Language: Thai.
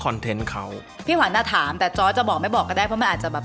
เทนต์เขาพี่ขวัญอ่ะถามแต่จอร์ดจะบอกไม่บอกก็ได้เพราะมันอาจจะแบบ